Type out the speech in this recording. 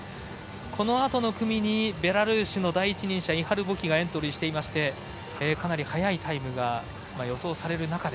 このあとの組にベラルーシの第一人者イハル・ボキがエントリーしていましてかなり速いタイムが予想される中で。